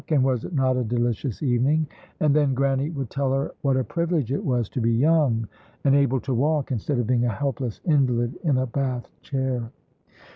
and was it not a delicious evening? And then Grannie would tell her what a privilege it was to be young, and able to walk, instead of being a helpless invalid in a Bath chair.